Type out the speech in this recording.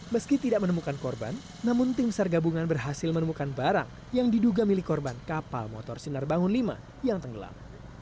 meski tidak menemukan korban namun tim sargabungan berhasil menemukan barang yang diduga milik korban kapal motor sinar bangun v yang tenggelam